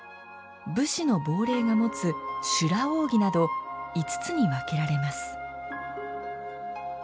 武士の亡霊が持つ「修羅扇」など五つに分けられます。